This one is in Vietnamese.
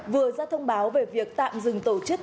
vừa ra thông báo về việc tạm dừng tổ chức